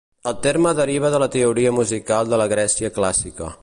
El terme deriva de la teoria musical de la Grècia clàssica.